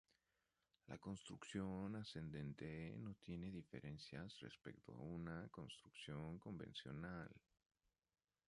La construcción ascendente no tiene diferencias respecto a una construcción convencional.